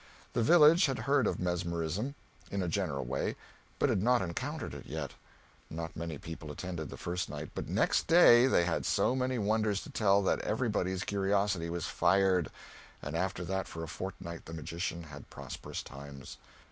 The village had heard of mesmerism, in a general way, but had not encountered it yet. Not many people attended, the first night, but next day they had so many wonders to tell that everybody's curiosity was fired, and after that for a fortnight the magician had prosperous times.